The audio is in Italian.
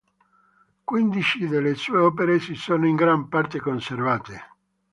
Quindici delle sue opere si sono in gran parte conservate.